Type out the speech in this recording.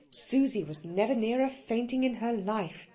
Susie was never nearer fainting in her life.